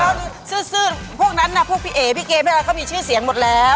เราเห็นเขาซื้อพวกนั้นนะพี่เอ๋พี่เกมก็มีชื่อเสียงหมดแล้ว